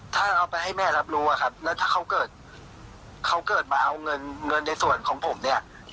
ถ้าเอาไปให้แม่รับรู้ครับแล้วถ้าเขาเกิดมาเอาเงินในส่วนของผมเนี่ย